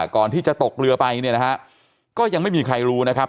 ก่อนที่จะตกเรือไปเนี่ยนะฮะก็ยังไม่มีใครรู้นะครับ